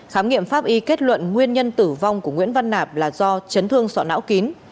khám nghiệm pháp y kết luận nguyên nhân tử vong của nguyễn văn nạp là do chấn thương sọ não kín